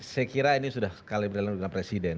saya kira ini sudah sekali berjalan dengan presiden